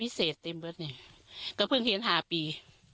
พิเศษเต็มเบิดนี่ก็เพิ่งเห็นห้าปี